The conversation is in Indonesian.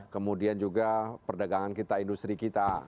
kemudian juga perdagangan kita industri kita